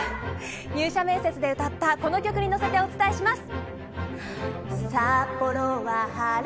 入社面接で歌ったこの曲に乗ってお伝えします。